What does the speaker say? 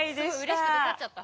うれしくて立っちゃった！